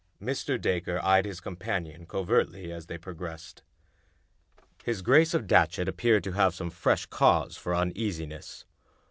Ill Mr. Dacre eyed his companion covertly as they pro gressed. His Grace of Datchet appeared to have some fresh cause for uneasiness.